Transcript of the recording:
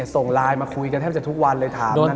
ส่งไลน์มาคุยกันแทบจะทุกวันเลยถามนะ